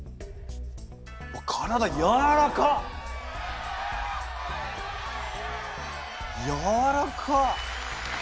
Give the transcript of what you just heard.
わっ体やわらかっ！やわらかっ！